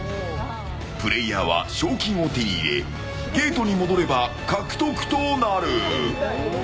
プレイヤーは賞金を手に入れゲートに戻れば獲得となる。